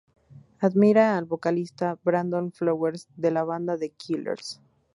Admira al vocalista Brandon Flowers, de la banda The Killers.